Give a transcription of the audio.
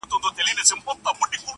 نو بیا ولي ګیله من یې له اسمانه -